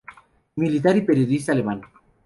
Militar y periodista alemán.